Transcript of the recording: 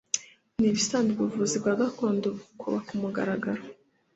nibisanzwe ubuvuzi bwa gakondo Bukoba kumugaragaro